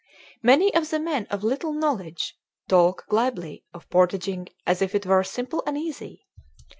Many of the men of little knowledge talk glibly of portaging as if it were simple and easy.